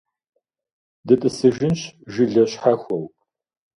ДытӀысыжынщ жылэ щхьэхуэу.